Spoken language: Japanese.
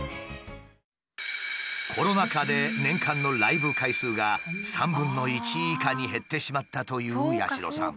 コロナ禍で年間のライブ回数が３分の１以下に減ってしまったという八代さん。